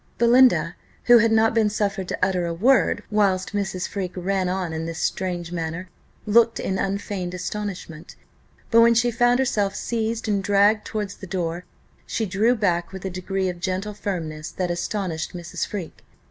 Belinda, who had not been suffered to utter a word whilst Mrs. Freke ran on in this strange manner, looked in unfeigned astonishment; but when she found herself seized and dragged towards the door, she drew back with a degree of gentle firmness that astonished Mrs. Freke.